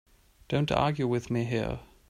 Don't argue with me here.